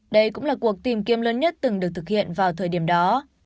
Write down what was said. đây cũng là cuộc tìm kiếm lớn nhất từng được thực hiện vào thời điểm đó